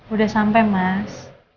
udah sampe mas